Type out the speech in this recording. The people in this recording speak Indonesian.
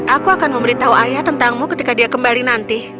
aku akan memberitahu ayah tentangmu ketika dia kembali nanti